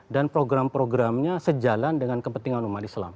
dan program programnya sejalan dengan kepentingan umat islam